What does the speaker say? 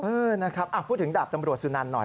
เออนะครับพูดถึงดาบตำรวจสุนันหน่อย